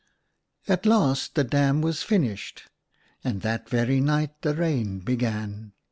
" At last the dam was finished, and that very night the rain began.